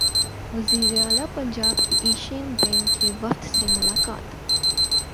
وزیراعلی پنجاب کی Asian bank کے وفد سے ملاقات